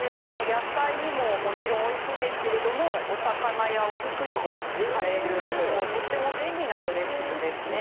野菜にももちろん美味しいんですけれどもお魚やお肉にも使えるとっても便利なドレッシングですね。